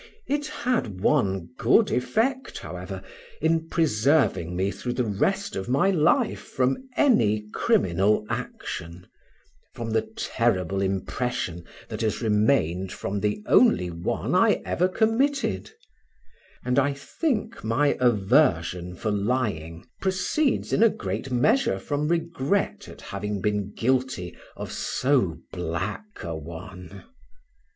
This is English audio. It had one good effect, however, in preserving me through the rest of my life from any criminal action, from the terrible impression that has remained from the only one I ever committed; and I think my aversion for lying proceeds in a great measure from regret at having been guilty of so black a one.